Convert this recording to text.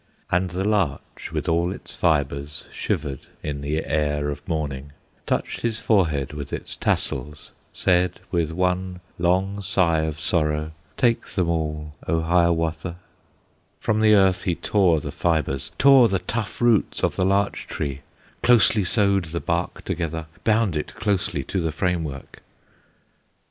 And the Larch, with all its fibres, Shivered in the air of morning, Touched his forehead with its tassels, Slid, with one long sigh of sorrow. "Take them all, O Hiawatha!" From the earth he tore the fibres, Tore the tough roots of the Larch tree, Closely sewed the bark together, Bound it closely to the frame work.